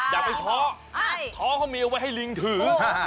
อย่าไปท้อท้อเขามีเอาไว้ให้ลิงถือ